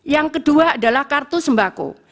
yang kedua adalah kartu sembako